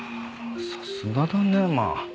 さすがだねまあ。